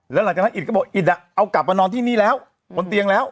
แล้วหลังจากนั้นอิตก็บอกอิตเอากลับมานอนที่นี่แล้วบนเตียงแล้ว